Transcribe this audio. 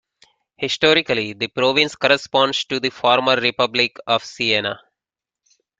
Historically, the province corresponds to the former Republic of Siena.